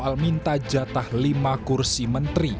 kalau yang kita sebut lima itu minimalis